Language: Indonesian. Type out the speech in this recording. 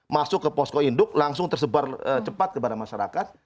masuk ke posko induk langsung tersebar cepat kepada masyarakat